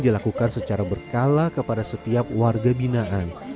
dilakukan secara berkala kepada setiap warga binaan